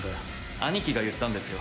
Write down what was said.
兄貴が言ったんですよ。